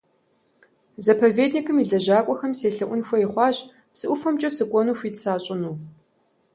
Заповедникым и лэжьакӀуэхэм селъэӀун хуей хъуащ, псы ӀуфэмкӀэ сыкӀуэну хуит сащӀыну.